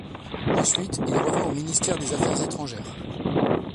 Ensuite, il revint au Ministère des affaires étrangères.